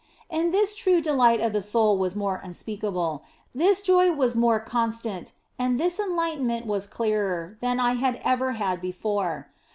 And this true delight of the soul was more unspeakable, this joy was more constant and this enlightenment was clearer .than I had ever had before.